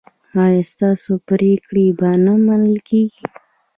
ایا ستاسو پریکړې به نه منل کیږي؟